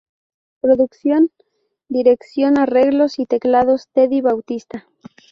Producción, dirección, arreglos y teclados: Teddy Bautista.